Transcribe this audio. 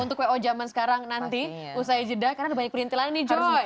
untuk wo jaman sekarang nanti usai jeda karena ada banyak pelintelan nih joy